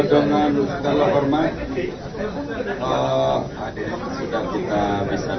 dengan segala hormat